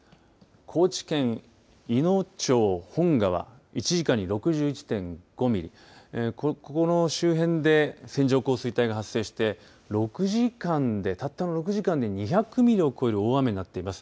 高知県いの町本川１時間に６１．５ミリ、ここの周辺で線状降水帯が発生して、たった６時間で２００ミリを超える大雨になっています。